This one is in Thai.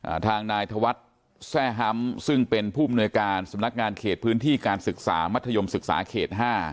ทางนายธวัฒน์แทร่ฮัมซึ่งเป็นผู้มนวยการสำนักงานเขตพื้นที่การศึกษามัธยมศึกษาเขตห้า